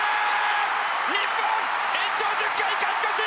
日本、延長１０回勝ち越し！